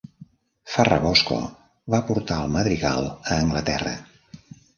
Ferrabosco va portar el madrigal a Anglaterra.